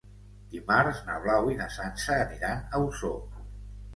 Dimarts na Blau i na Sança aniran a Osor.